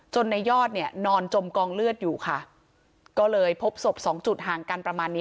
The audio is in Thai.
ในยอดเนี่ยนอนจมกองเลือดอยู่ค่ะก็เลยพบศพสองจุดห่างกันประมาณนี้